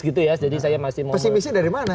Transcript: pesimisnya dari mana